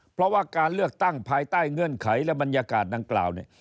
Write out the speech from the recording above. เพราะว่าการเลือกตั้งภายใต้เงื่อนไขและบรรยากาศดังกล่าวเนี่ย